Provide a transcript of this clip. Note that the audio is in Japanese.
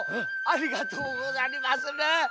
ありがとうござりまする。